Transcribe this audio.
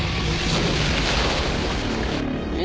え？